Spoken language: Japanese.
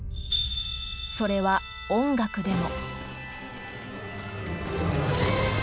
それは音楽でも。